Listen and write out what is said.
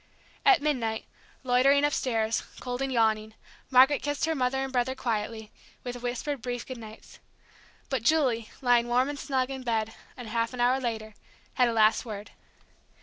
At midnight, loitering upstairs, cold and yawning, Margaret kissed her mother and brother quietly, with whispered brief good nights. But Julie, lying warm and snug in bed half an hour later, had a last word.